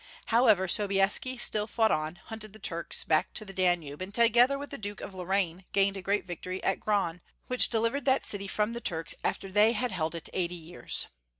How ever, Sobieski still fought on, hunted the Turks back to the Danube, and together with the Duke of Lorraine gained a great victory at Gran, which delivered that city from the Turks after they had held it eighty years.